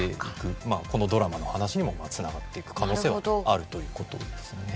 このドラマの話にも繋がっていく可能性はあるという事ですね。